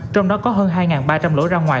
trong đó có hơn hai ba trăm linh lối ra ngoài